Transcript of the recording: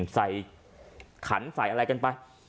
ใส่ขันใส่อะไรกันไป